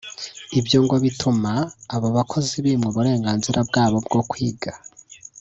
Ibyo ngo bituma abo bakozi bimwa uburenganzira bwabo bwo kwiga